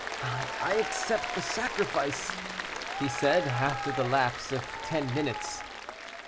"I accept the sacrifice," he said, after the lapse of ten minutes.